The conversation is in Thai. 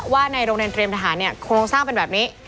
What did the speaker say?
ว่าในโรงแชนเตรียมธรรมศาษณ์เนี่ยโครงสร้างเป็นแบบนี้